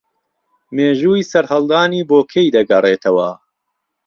مێژووی سەرهەڵدانی بۆ کەی دەگەڕێتەوە